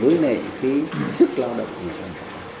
với nền khí sức lao động của người nông dân